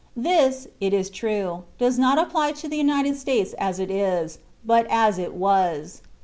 This, it is true, does not apply to the United States as it is, but as it was.